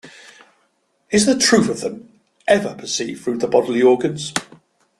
Is the truth of them ever perceived through the bodily organs?